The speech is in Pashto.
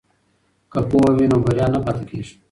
که پوهه وي نو بریا نه پاتې کیږي.